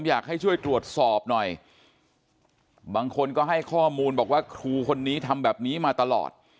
อยากให้ช่วยตรวจสอบหน่อยบางคนก็ให้ข้อมูลบอกว่าครูคนนี้ทำแบบนี้มาตลอด